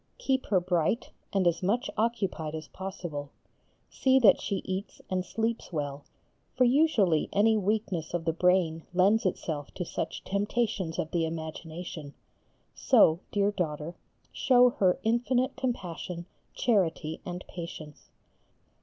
Keep her bright, and as much occupied as possible, see that she eats and sleeps well, for usually any weakness of the brain lends itself to such temptations of the imagination, so, dear daughter, show her infinite compassion, charity, and patience.